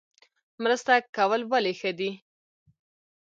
مرسته کول ولې ښه دي؟